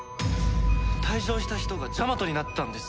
退場した人がジャマトになってたんです。